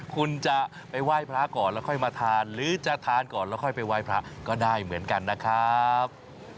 คุณจะไปไหว้พระก่อนแล้วค่อยมาทานหรือจะทานก่อนแล้วค่อยไปไหว้พระก็ได้เหมือนกันนะครับ